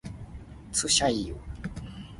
撨